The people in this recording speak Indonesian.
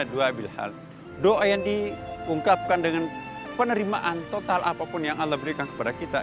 doa bilhad doa yang diungkapkan dengan penerimaan total apapun yang allah berikan kepada kita